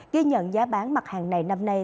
ghi nhận giá bán mặt hàng này năm nay